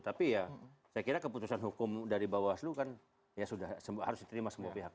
tapi ya saya kira keputusan hukum dari bawaslu kan ya sudah harus diterima semua pihak